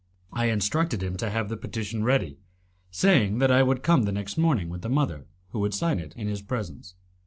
I instructed him to have the petition ready, saying that I would come the next morning with the mother, who would sign it in his presence.